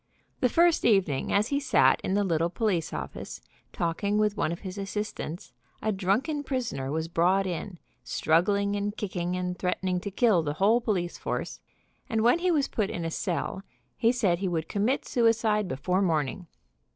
The first evening, as he sat in the little police office, talking with one of his assistants, a drunken prisoner was brought in, struggling and kicking, and threatening to kill the whole police force, arid when he was put in a cell he said he would commit suicide before morning.